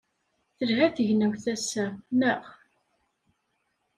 Telha tegnewt ass-a, naɣ?